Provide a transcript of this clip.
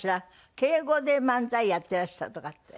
敬語で漫才やってらしたとかって。